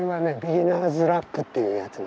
ビギナーズラックっていうやつ。